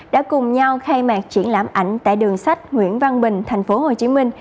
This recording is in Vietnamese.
đã cùng nhau khai mạc triển lãm ảnh tại đường sách nguyễn văn bình tp hcm